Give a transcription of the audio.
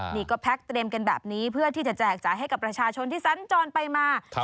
นี่ก็แพ็คเตรียมกันแบบนี้เพื่อที่จะแจกจ่ายให้กับประชาชนที่สัญจรไปมา